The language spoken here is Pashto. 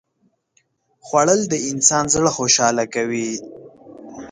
خوړل د انسان زړه خوشاله کوي